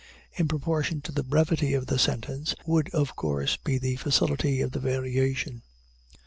In proportion to the brevity of the sentence, would, of course, be the facility of the variation.